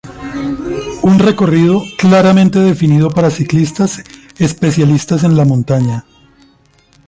Un recorrido claramente definido para ciclistas especialistas en la montaña.